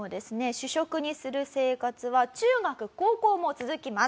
主食にする生活は中学高校も続きます。